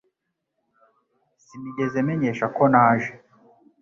Sinigeze menyesha ko naje